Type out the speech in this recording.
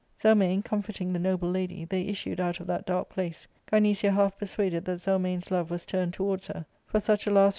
Zelmane com forting the noble lady, they issued out of that dark place, Gynecia half persuaded that Zelmane's love was turned to* wards her ; for such, alas !